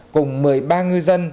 cùng một mươi ba ngư dân